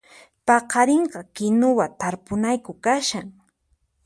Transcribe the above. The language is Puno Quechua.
Paqarinqa kinuwa tarpunayku kashan